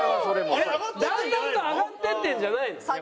だんだんと上がっていってるんじゃないの？